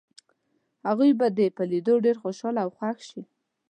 هغوی به دې په لیدو ډېر خوشحاله او خوښ شي.